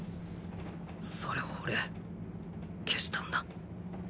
それを俺消したんだ。